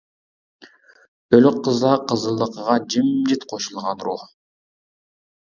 ئۆلۈك قىزلار قىزىللىقىغا جىمجىت قوشۇلغان روھ!